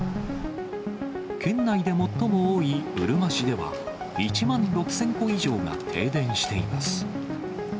県内で最も多いうるま市では、１万６０００戸以上が停電しています。